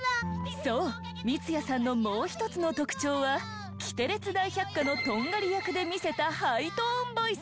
そう三ツ矢さんのもう１つの特徴は『キテレツ大百科』のトンガリ役で見せたハイトーンボイス。